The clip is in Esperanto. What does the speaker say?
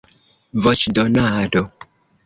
voĉdonado